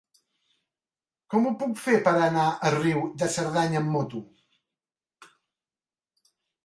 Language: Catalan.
Com ho puc fer per anar a Riu de Cerdanya amb moto?